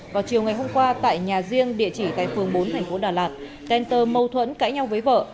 vào chiều ngày hôm qua tại nhà riêng địa chỉ tại phường bốn thành phố đà lạt tenter mâu thuẫn cãi nhau với vợ